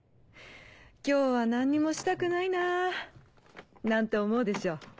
今日は何にもしたくないななんて思うでしょ？